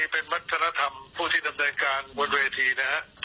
ไม่ใช่อย่างนั้น